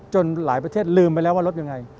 หลายประเทศลืมไปแล้วว่าลดยังไง